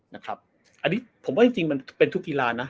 นะครับอันนี้ผมว่าจริงมันเป็นทุกกีฬานะ